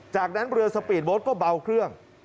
จากนั้นเรือสปีดโบ๊ทก็เบาเครื่อง